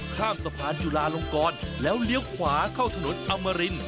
ข้ามสะพานจุลาลงกรแล้วเลี้ยวขวาเข้าถนนอมริน